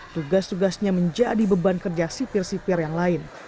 tugas tugasnya menjadi beban kerja sipir sipir yang lain